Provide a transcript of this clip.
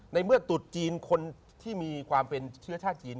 ในเมื่อตุดจีนคนที่มีความเป็นเชื้อชาติจีน